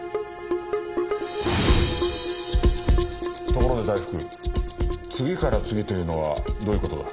ところで大福次から次というのはどういう事だ？